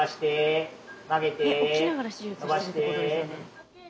えっ起きながら手術してるってことですよね。